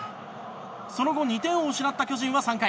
その後２点を失った巨人は３回。